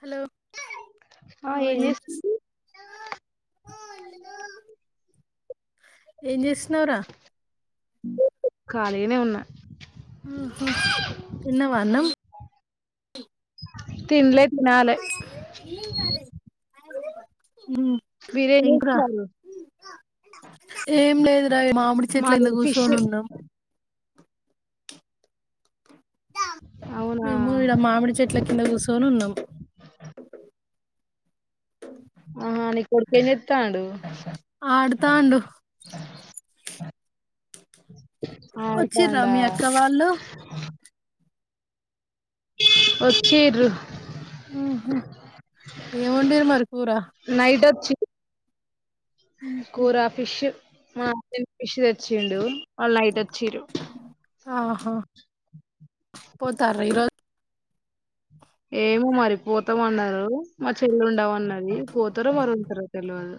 Hello ఆ ఏం ఇన్పిస్ చేస్తుంది [inaudible] ఏం చేస్తున్నావ్ రా ఖాళీగనే ఉన్నా ఆహ తిన్నవా అన్నం తిన్లే తినాలే హ్మ్ మీరు ఏం చేస్తున్నారు ఏం లేదు రా మామిడి చెట్ల మాది కింద ఫిష్ కూస్సోని ఉన్నాం అవునా మేము ఈడ మామిడి చెట్ల కింద కూర్చొని ఉన్నాం ఆ నీ కొడుకు ఏం చెత్తండు ఆడతాండు వచ్చిర్రా ఆడుతాండా మీ అక్క వాళ్ళు వచ్చిర్రు ఆహా ఏం వండిర్రు మరి కూర చీ కూర ఫిష్ మార్నింగ్ ఫిష్ తెచ్చిండు వాళ్ళు నైట్ వచిర్రు ఆహా పోతార్రా ఈరోజు ఏమో మరి పోతామన్నారు మా చెల్లె ఉండమన్నది పోతారో మరి ఉంటారో తెల్వదు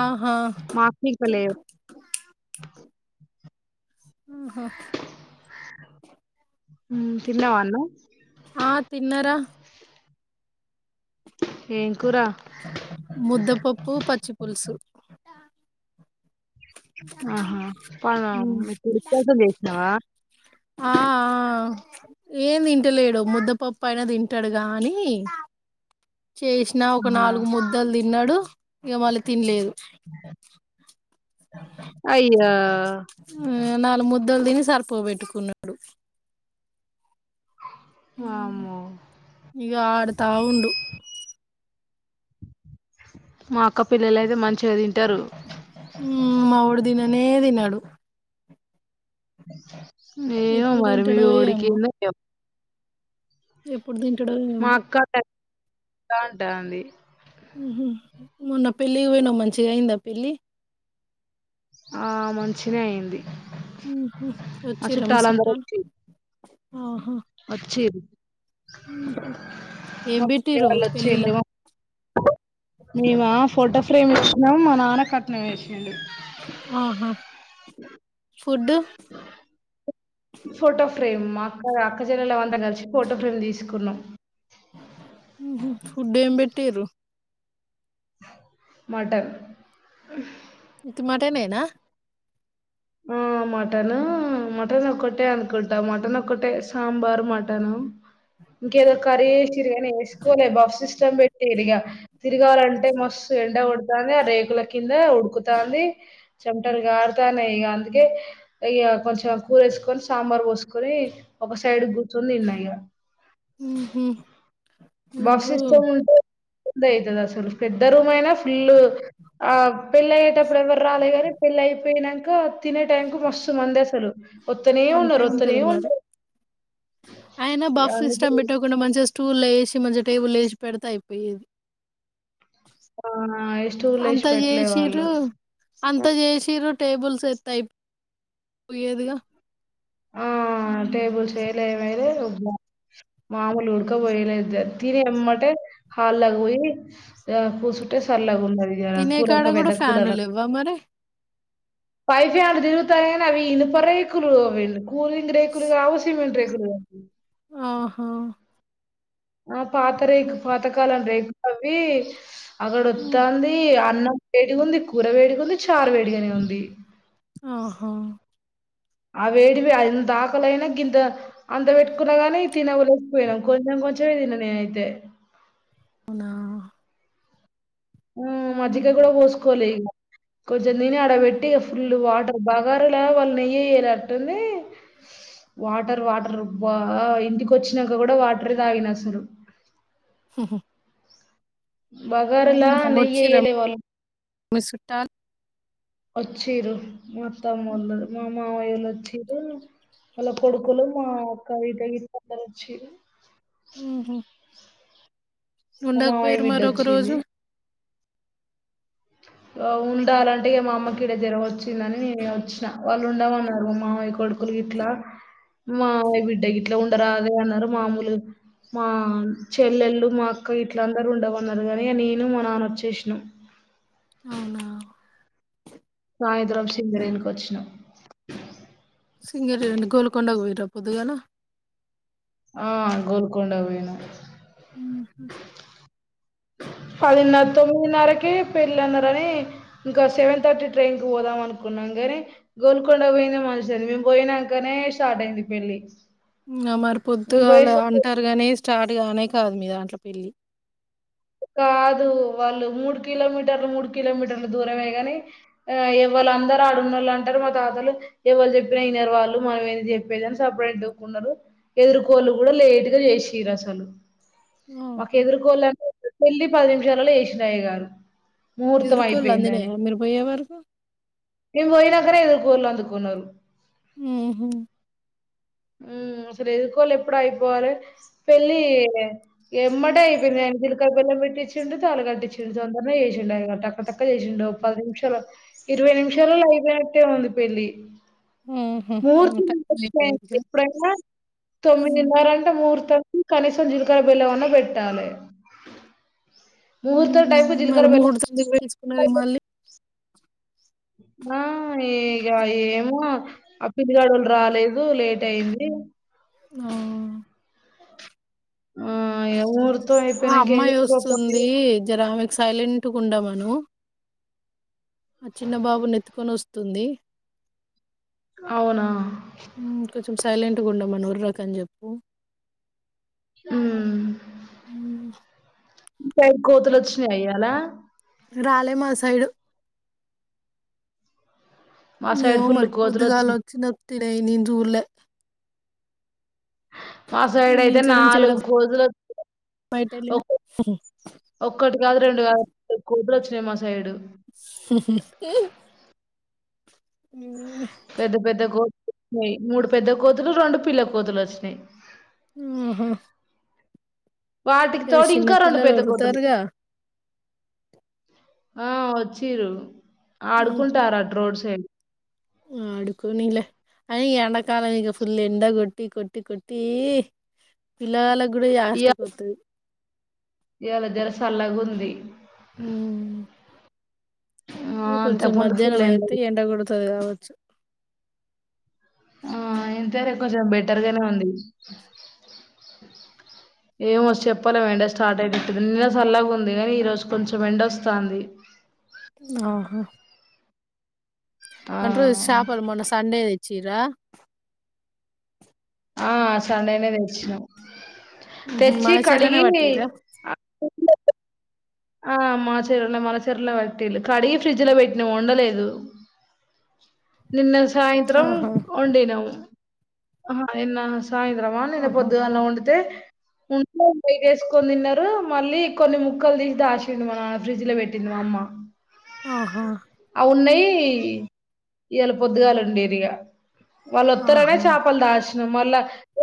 ఆహా మా [unintelligible] లే ఆహా మ్మ్ తిన్నవా అన్నం ఆ తిన్న రా ఏం కూర ముద్దపప్పు పచ్చి పులుసు ఉహూ ఫోన్ ఉమ్. మీ కొడుకు కోసం చేసినావా ఆ ఆ ఏంది తింటలేడు ముద్దపప్పు అయినా తింటాడు గా అనీ చేసినా ఒక ఆహా నాలుగు ముద్దలు తిన్నాడు ఇగా మళ్ళీ తినలేదు అయ్యో ఉమ్ నాలుగు ముద్దలు తిని సరిపోబెట్టుకున్నాడు ఉమ్ వామ్మో ఇగ ఆడుతా ఉండు మా అక్క పిల్లలయితే మంచిగా తింటారు ఉమ్ మావోడు తిననే తినడు ఏమో ఎప్పుడు మరీ మీ తింటాడో వాడికి ఏందో ఏమో ఎప్పుడు తింటడో ఏమో డా అంటంది ఉహూ మొన్న పెళ్లికి పోయినావ్ మంచిగ అయిందా పెళ్లి ఆ మంచిగనే అయింది ఉహూ మా వచ్చిర్రా మీ చుట్టాలందరూ చుట్టాలు వచ్చి ఆహా వచ్చిర్రు ఉహూ మా పిన్ని వాళ్ళు వచ్చిల్లు మేమా ఫోటో ఫ్రేమ్ ఇచ్చినం మా నాన్న కట్నం వేసిండు ఆహా ఫుడ్ ఫోటో ఫ్రేమ్ మా అక్క అక్క చెల్లలు అంతా కలిసి ఫోటో ఫ్రేమ్ తీసుకున్నాం ఉహూ ఫుడ్ ఏం పెట్టిర్రు మటన్ ఉత్తి మటనేనా ఆ మటన్ మటన్ ఒకటే అనుకుంటా మటన్ ఒక్కటే సాంబార్ మటన్ ఇంకేదో కర్రీ వేసిర్రు కానీ వేసుకోలే బఫ్ సిస్టం పెట్టిర్రిగా తిరగాలంటే మస్త్ ఎండగోడు తాంది ఆ రేకుల కింద ఉడుకుతాంది చెమటలు కారుతాన్నయిగా అందుకే ఇగ కొంచెం కూర ఏసుకొని సాంబార్ పోసుకొని ఒక సైడ్ కూర్చొని తిన్న ఇగ [inaudible] ఉహు బిఫ్ సిస్టమ్ ఉంటే [unintelligible] అసలు పెద్ద రూమ్ అయినా ఫుల్ ఆ పెళ్ళయ్యేటప్పుడు ఎవరు రాలే గానీ పెళ్ళయిపోయిన క తినే టైమ్ కు మస్తు మంది అసలు వత్తనే అంతే ఉన్నరు వత్తనే ఉంటది మరి ఉన్నరు అయిన బఫ్ అందుకే సిస్టమ్ పెట్టకుండ మంచిగా స్టూల్ లేసి మంచిగ టేబుల్ ఏషి పెడితే అయిపోయేది ఉమ్ ఇగ స్టూల్ అంత ఏసి పెట్లే చేసిర్రు వాళ్ళు అంత చేసిర్రు టేబుల్స్ ఏత్తే అయిపోయేదిగా ఆ ఉమ్. టేబుల్స్ ఏయలే ఏమెయేల్ మాములు ఉడక పోయలేదు తిని ఎంబటే హాల్ లోకి పోయి య కూసుంటే సల్లగ ఉన్నదిగ తినే కూలర్ కాడ క కూడా పెద్ద ఫ్యాన్లు కూలర్ లేవ్వా మరి పై ఫ్యాన్లు తిరుగతనాయి కానీ అవి ఇనుప రేకులు అవి కూలింగ్ రేకులు కావు సిమెంట్ రేకులు ఆహా ఆ పాత రేకు పాతకాలం రేకు అవి ఉమ్. అక్కడొత్తంది అన్న వేడిగా ఉంది కూర వేడిగా ఉంది చారు వేడిగనె ఉంది ఆహా ఆ వేడివి ఎంతాకాలైన గింత అంత పెట్టుకున్నగానీ తినవలేకపోయినం కొంచెం కొంచెమే తిన్న నేనైతే అవునా ఉమ్ మజ్జిగ గూడా పోస్కోలే ఇగ కొంచెం తిని ఆడ పెట్టి ఫుల్ వాటర్ బగారులా వాళ్ళు నెయ్యి ఏయలే అట్టుంది వాటర్ వాటర్ ఉబ్బ ఇంటిక వచ్చినంక కూడా వాటరే తాగిన అసలు హు హుమ్ బగారాలా వచ్చి ర నెయ్యేయ్యలే వాళ్ళు. మి సుట్టాలు ఒచ్చిరు మా అత్తమోళ్ళు మా మామయోలోచ్చిరు వాళ్ళ కొడుకులు మా అక్క ఇ అందరొచ్చిరు ఉమ్ హు మా మామయ్య ఉండకపోయిరు మరొక రోజు బిడ్డొచ్చింది. అ ఉండాలంటే ఇగ మా అమ్మకీడ జరవొచ్చిందని నేనిగ వచ్చినా వాళ్ళున్డమన్నరు మా మామయ కోడ్ కొడుకులు యిట్లా మావయ బిడ్డ గిట్లా ఉండరాదే అన్నరు మామూలు మా చెల్లెళ్ళు మా అక్క ఇట్లందరూ ఉండవన్నరు కని నేను మా నాన వచ్చేసినం [inaudible] అవునా సాయంత్రం సింగరేణికొచ్చినం సింగరేణి గోలుకొండకు పోయిరా పొద్దుగాల ఆ గోలుకొండ కుపోయినం ఉ హ పదిన్నర్ తొమ్మిదిన్నరకే పెళ్లన్నరని ఇంక సెవెన్ థర్టీ ట్రైన్ కి పోదామనుకున్ నంగని గోల్కొండ పోయిందేమాంచె మేము పోయినంకనే స్టార్ట్ అయింది పెళ్లి ఇంగ మరి పొద్దుగాల అంటరుగనే స్ స్టార్ట్గానే కాదు మీ దాంట్ల పెళ్ళి కాదు వాళ్ళు మూడు కిలోమీటర్లు మూడు కిలోమీటర్లు దూరమే గని ఆ ఎవ్వలు అందరు అడున్నుల్లంటరు మా తాతలు ఎవలుజెప్పిన ఇనరు వాళ్ళు మనమేందిజెప్పేది అని సప్పుడంత వుకున్నరు ఎదుర్కోళ్లు గూడ లేట్ గా జెశిరసలు మాకే ఆహా. ఎదుర్కోళనే పె ళ్లి పది నిమిషాలల చేసింద అయ్యగారు ముహూర్త ఎదురుకోళ్ళు మయిపోయిందని అందినయా మీరు పోయే వరకు నేవోయినంకనే ఓలందుకున్నరు ఉమ్ హు సరే ఇదికోలే ఎప్పుడ ఆయిపోవారు పెళ్లిి ఎమ్మాట అయిపోయింది జిలకర బెల్లం పెట్టించిండు తాలి గట్టిఇచ్చిండు తొందరగా చేసిండడి ఐగంట అక్కడటక్క చేసిండడు ఒక పది నిమిషాలు ఇరవై నిమిషాలలో అయిపోయినట్టే ఉంది పెళ్ళి మూర్తి టైం అయిపోయిందిగా ఎప్పుడైనా హ్మ్. తొమ్మిదిన్నర అంటే మూర్ తమ్ కనీసం జీలకర బిల్లవన్న పెట్టాలే ముహూర్తం ఉమ్ టైంకి మరి జీలకర్ర బెల్లం మూర్తం ఎందుకు పెట్టించుకున్నారు మళ్ళీ ఆ ఇక ఏమో ఆ పిల్లిగడో లు రాలేదు దు లేట్ అయింది ఆ ఆ ఇగ ముహూర్తం ఆ అయిపోయినంక ఏం అమ్మాయి చేయాలి పాపం? వస్తుంది జరమెకు సైలెంట్గా ఉండ మను ఆ చిన్న బాబు నెత్తుకొని వస్తుంది అవునా హ్మ్. కొంచెం సైలెంట్గా ఉండమనుర్రక అని చెప్పు ఉమ్ హ్మ్. ఇంటికడ్కి కోతులు వచ్చినయి ఇ య్యాలా రాలే మా సైడు మా సైడ్ ఏమో ఫుల్ మరీ కోతులు పొద్దుగాల వచ్చినాయి. వచ్చిందొ తే నేన్ చూళ్ల మా సైడ్ అయితే నాలుగు కోతులు బయట వ వెళ్ళిన ఓక్ ఒక్కటి కాదు రెండు కాదు [inaudible] వచ్చినాయి మా సైడు ఉన్నీలే యి మూడు పెద్ద కోతులు రెండు పిల్ల కోతులు వచ్చినాయ్ ఆహా వాటికి ఎవరు తోడు ఇంకా రెండు చిన్నపిల్లలు పెద్ద కోతులు ఒర్రుతారుగా ఆ వచ్చిరూ ఆడుకుంటారఅటు రోడ్ సైడ్ ఆడుకునిలె అ ఈ ఎండాకాలం ఇగ ఫుల్ ఎండ గొట్టి, కొట్టి, కొట్టీ, పిల్లగాలకు. గుడు యాష్టకత్తున్ ఇయాళ జర సల్లగుంది ఆ! ఇగ కొంచెం అంతకుముందు మధ్యాహ్నం ఫుల్ అయితే ఎండ గొడు తుంది గావచ్చు ఆ ఇంతరే కొంచెం బెటర్గానే ఉంది ఏమో చెప్పలేం ఎండ స్టార్ట్ అయిటట్టు [unintelligible] నిన్న సల్లగుందీ, ఈ రోజు కొంచెం ఎండ ఒస్తాంది. ఆహా ఆ అంట్రూ సాపలు మొన్న సండే ఎచ్చీరా ఆ సండేనే దెచ్చినం ఉహు తెచ్చీ మన చెర్లనే కడిగీ పట్టిర్రా [unintelligible] ఆ మాచెరలో మనచెరులో పెట్టిళ్ళు, కడిగి ఫ్రిడ్జ్ లో వెట్నం ఒండలేదు. నిన్న సాయంత్రం ఆహా ఒండినం అహ ఇన్న సాయంత్రమా నిన్న ఆహా పొద్దుగాల్నా ఒండితే ఉండే [unintelligible] ఏసుకొని తిన్నారు మళ్ళీ కొన్ని ముక్కలు దీ దాశిండు మా నాన ఫ్రిడ్జ లో వెట్టింది మా అమ్మా. ఆహా ఈ ఇయ్యాల పొద్దుగాల ఒండీరిగ వాళ్ళు ఒత్తరనే ఆహా చేపలు దాచి మళ్ళ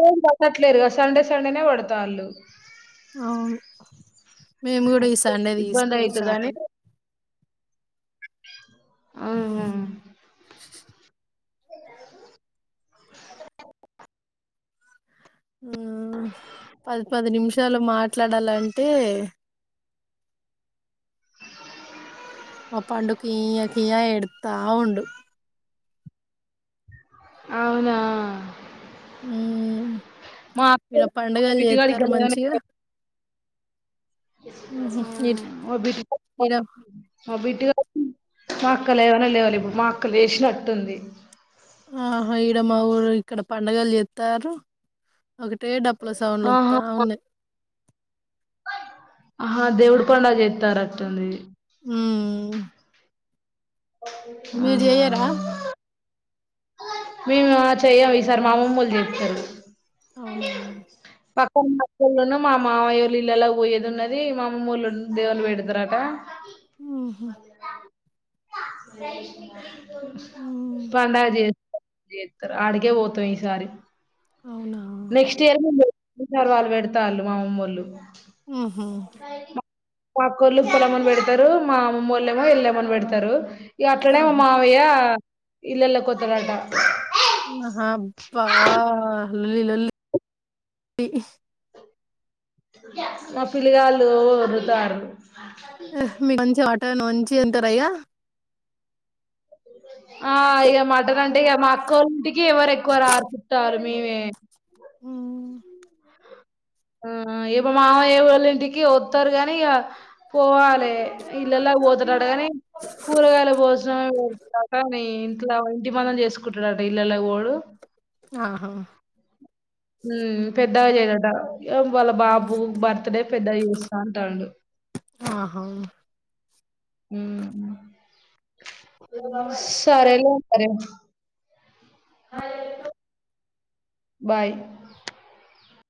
ఏం పట్టట్లేరుగా సండే సండేనే పడతాళ్ళు అవును మేం గూడా ఈ సండే ఇబ్బంది దీసుకోవాలి అయితదని చాపలు ఆహా ఊహ్ పది పది నిమిషాలు మాట్లాడాలంటే మా పండు కియ్య కియ్య ఎడుత్తా ఉండు అవునా ఊహ్ మా ఈడ అక్క పండగలు చేత్తరు బిట్టిగాడికి లేవనే మంచిగా ఉహు ఈడ [unintelligible] ఈడ మా అక్క లేవనే లేవాలె ఇప్పుడు, మా అక్క లేసినట్టుంది. ఆహా ఈడ మా ఊరు ఇక్కడ పండగలు చేత్తారు ఒక. టే డప్పుల సౌండ్లు ఆహా ఒత్తా ఉన్నయ్ అహా దేవుడు పండగ జేత్తారు అత్తుంది ఊమ్ అహా మేమా చెయ్యం ఈసారి మా అమమ్మోళ్ళు జేత్తరు అవునా తర్ మధ్యలున్న మా మావయ్యోల్ల ఇల్లల్ల వొయ్యేది ఉన్నదీ, మా అమమ్మోళ్ళు దేవళ్ళు వెడతరట. ఊహు ఉమ్ పండగ జే జేత్తరు ఆడికే వోతవ్ ఈసారి అవునా నెక్స్ట్ ఇయరు [unintelligible] వాళ్ళు వెడతాళ్ళు మా అమమ్మోల్లు. ఉహు మా అక్కోళ్ళు పొలమ్మని పెడతరు, మా అమమ్మోళ్ళేమో ఎల్లమని పెడతరు. ఇగ అట్లనే మా ఆహా మావయ్యా ఇల్లల్లక్ వోతడంట అహా అబ్బా లొల్లి లొల్లి [inaudible] మా పిల్లిగాళ్ళు వర్రుతారు అహ్ మీ మంచిగ మటన్ మంచిగ ఇంటర ఇగ ఆ ఇగ మటన్ అంటే ఇగ మా అక్కోళింటికి ఎవరు ఎక్కువ రారు చుట్టాలు మేమే ఉమ్, ఆ [unintelligible] మా మామయ్య వాళ్ళ ఇంటికి వత్తరు గానీ ఇగ పోవాలే, ఇల్లల్లక్ వోతుర. టగాని కూరగాయల భోజనాలు పెడతారని ఇంట్లో ఇంటి పనులు చేసు కుట్టడట ఇళ్లల్లోకి పోడు. ఆహా మ్మ్ పె డాగేదట ఏం వాళ్ళ బాబు బర్త్డే పెద్దగ చేస్తా అంటాండు. ఆహా మ్మ్ సరేలే మరే అ బాయ్